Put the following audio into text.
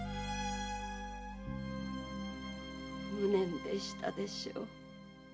無念でしたでしょう。